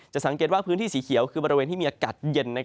สังเกตว่าพื้นที่สีเขียวคือบริเวณที่มีอากาศเย็น